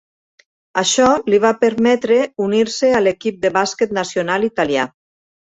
Això li va permetre unir-se a l'equip de bàsquet nacional italià.